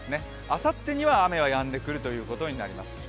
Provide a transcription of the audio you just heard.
あさってには雨はやんでくるということになります。